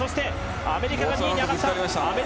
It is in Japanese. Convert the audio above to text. アメリカが２位に上がった。